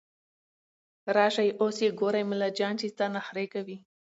راشئ اوس يې ګورئ ملا جان چې څه نخروې کوي